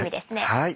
はい。